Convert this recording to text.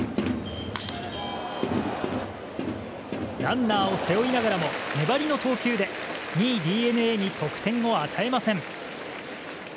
ランナーを背負いながらも粘りの投球で２位、ＤｅＮＡに得点を与えません。